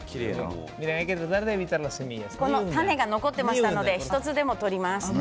種が残っていましたので１つでも取ります。